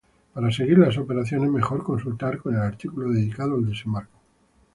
Para seguir las operaciones mejor consultar con el artículo dedicado al desembarco.